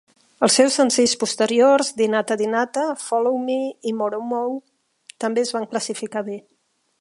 Els seus senzills posteriors "Dinata Dinata", "Follow Me" i "Moro Mou" també es van classificar bé.